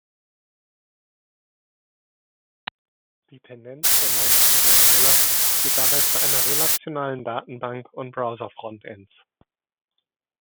Die Tendenz der meisten Hersteller geht dabei zu einer relationalen Datenbank und Browser-Frontends.